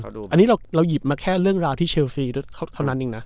เขาดูอันนี้เราเราหยิบมาแค่เรื่องราวที่เชลซีเขานั้นอีกน่ะ